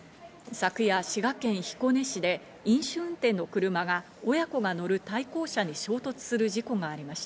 昨夜、滋賀県彦根市で飲酒運転の車が親子が乗る対向車に衝突する事故がありました。